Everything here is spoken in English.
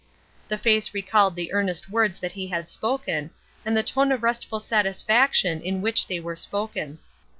The face recalled the earnest words that he had spoken, and the tone of restful satisfaction in which they were spoken.